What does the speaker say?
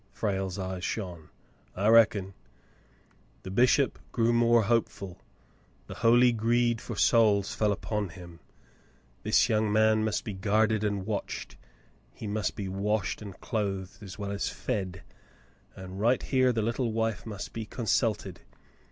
Frale's eyes shone. " I reckon." The bishop grew more hopeful. The holy greed for souls fell upon him. The young man must be guarded and watched ; he must be washed and clothed, as well as fed, and right here the little wife must be consulted.